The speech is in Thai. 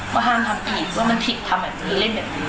ว่าห้ามทำผิดว่ามันผิดอย่างนี้เล่นแบบนี้